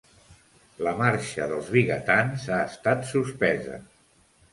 La Marxa dels Vigatans ha estat suspesa